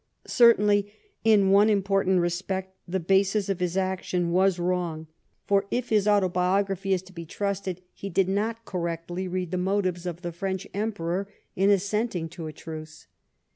Certainly in one important respect, the basis of his action was wrong : for, if his 54 LIFE OF PBINCE METTEBNICR. Autobiography is to be trusted, he did not correctly read" the motives of the French Emperor in assenting to a truce.